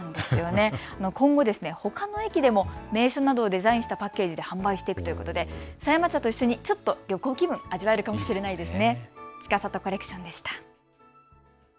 今後、ほかの駅でも、名所などをデザインしたパッケージで販売していくということで狭山茶と一緒にちょっと旅行気分を味わえますね。